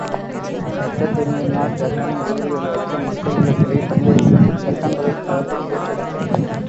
சட்டத்தை மீறினால் தண்டனை உறுதி என்ற அச்சம் மக்கள் உள்ளத்திலே பதியவைக்கும் சட்டங்களை அவர்கள் இயற்ற வேண்டும்.